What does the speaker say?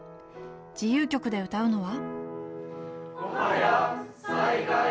自由曲で歌うのは。